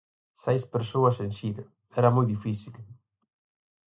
Seis persoas en xira..., era moi difícil.